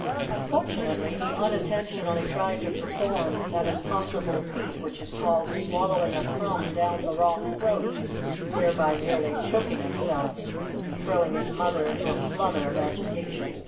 Unfortunately he unintentionally tried to perform that impossible feat, which is called swallowing a crumb down the wrong throat, thereby nearly choking himself; and throwing his mother into a flutter of agitation.